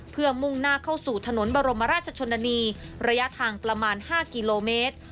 เพื่อมุ่งหน้าเข้าสู่ถนนบรมราชชนนานีระยะทางประมาณ๕กิโลเมตร